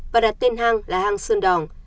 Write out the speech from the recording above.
và đặt tên hang là hang sơn đỏng